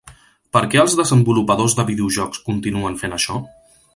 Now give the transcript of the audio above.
Per què els desenvolupadors de videojocs continuen fent això?